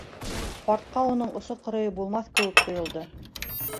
Ҡартҡа уның осо-ҡырыйы булмаҫ кеүек тойолдо.